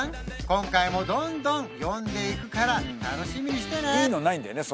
今回もどんどん詠んでいくから楽しみにしてね！